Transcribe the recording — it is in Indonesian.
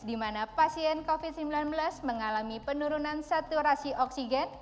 di mana pasien covid sembilan belas mengalami penurunan saturasi oksigen